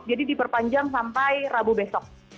jadi diperpanjang sampai rabu besok